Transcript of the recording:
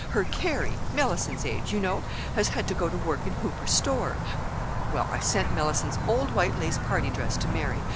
Her Carrie—Mellicent's age, you know—has had to go to work in Hooper's store. Well, I sent Mellicent's old white lace party dress to Mary.